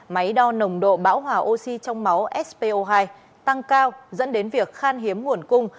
máy đo nồng độ bão hòa oxy trong máu spo hai tăng cao dẫn đến việc khan hiếm nguồn cung